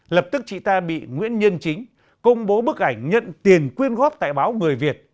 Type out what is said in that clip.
lập tức chị ta bị nguyễn nhân chính công bố bức ảnh nhận tiền quyên góp tại báo người việt